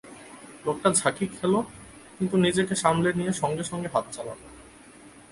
লোকটা ঝাঁকি খেল, কিন্তু নিজেকে সামলে নিয়ে সঙ্গে সঙ্গে হাত চালাল।